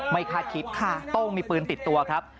คาดคิดโต้งมีปืนติดตัวครับ